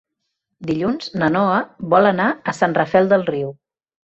Dilluns na Noa vol anar a Sant Rafel del Riu.